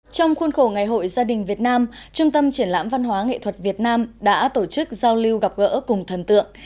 trong khuôn khổ ngày hội gia đình việt nam trung tâm triển lãm văn hóa nghệ thuật việt nam đã tổ chức giao lưu gặp gỡ cùng thần tượng